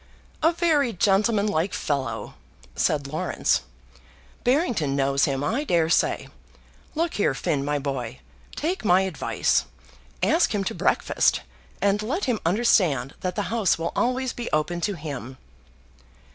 "A very gentleman like fellow," said Laurence. "Barrington knows him, I daresay. Look here, Finn, my boy, take my advice. Ask him to breakfast, and let him understand that the house will always be open to him."